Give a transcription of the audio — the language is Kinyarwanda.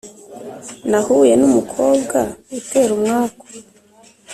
Nahuye numukobwa utera umwaku